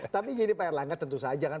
tapi gini pak erlangga tentu saja kan